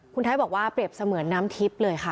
คุณไทยบอกว่าเปรียบเสมือนน้ำทิพย์เลยค่ะ